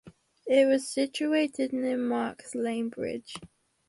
It was situated near Marks Lane bridge.